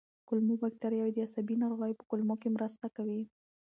کولمو بکتریاوې د عصبي ناروغیو په کمولو کې مرسته کوي.